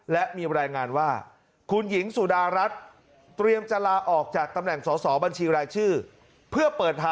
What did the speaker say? และมีรายงานว่าคุณหญิงสุดารัฐเตรียมจะลาออกจากตำแหน่งสอสอบัญชีรายชื่อเพื่อเปิดหา